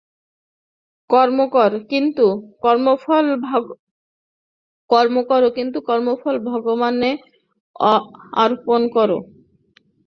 কর্ম কর, কিন্তু কর্মফল ভগবানে অর্পণ কর।